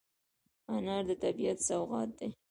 انار د طبیعت سوغات دی.